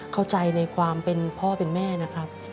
เข้าใจในความเป็นพ่อเป็นแม่นะครับ